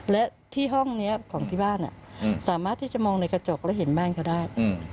และที่ห้องนี้ของที่บ้านสามารถที่จะมองในกระจกแล้วเห็นบ้านเขาได้